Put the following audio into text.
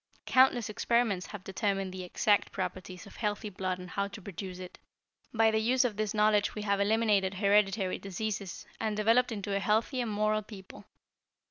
Countless experiments have determined the exact properties of healthy blood and how to produce it. By the use of this knowledge we have eliminated hereditary diseases, and developed into a healthy and moral people.